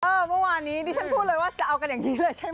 เมื่อวานนี้ดิฉันพูดเลยว่าจะเอากันอย่างนี้เลยใช่ไหม